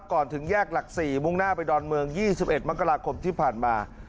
ก่อนถึงแยกหลักสี่มุ่งหน้าไปดอนเมืองยี่สิบเอ็ดมักราคมที่ผ่านมา